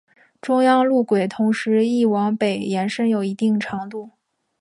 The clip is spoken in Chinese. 中央路轨同时亦往北延伸有一定长度。